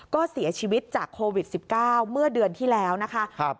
ก็เสียชีวิตจากโควิด๑๙เมื่อเดือนที่แล้วนะคะ